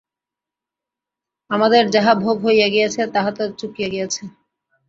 আমাদের যাহা ভোগ হইয়া গিয়াছে, তাহা তো চুকিয়া গিয়াছে।